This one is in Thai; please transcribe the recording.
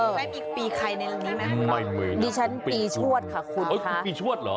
ไม่มีอีกปีใครในนี้ไม่มีดิฉันปีชวดค่ะคุณค่ะปีชวดเหรอ